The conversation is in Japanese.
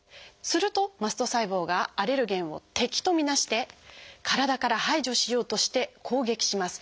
するとマスト細胞がアレルゲンを敵と見なして体から排除しようとして攻撃します。